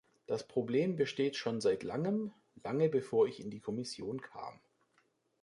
Das Problem besteht schon seit langem, lange bevor ich in die Kommission kam.